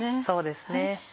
そうですね。